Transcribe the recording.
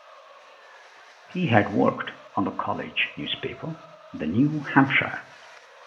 He had worked on the college newspaper, "The New Hampshire".